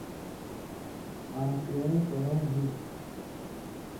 آں سِوَیں کرؤں ہُوئ تُھو۔